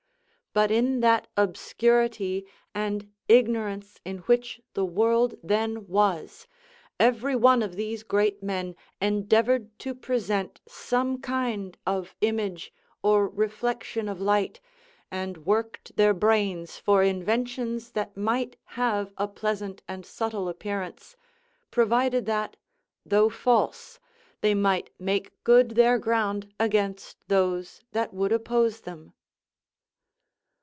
But in that obscurity and ignorance in which the world then was, every one of these great men endeavoured to present some kind of image or reflection of light, and worked their brains for inventions that might have a pleasant and subtle appearance; provided that, though false, they might make good their ground against those that would oppose them.